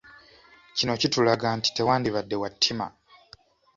Kino kitulaga nti tewandibadde wa ttima.